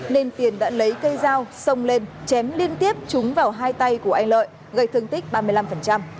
nên tiền đã lấy cây dao xông lên chém liên tiếp trúng vào hai tay của anh lợi gây thương tích ba mươi năm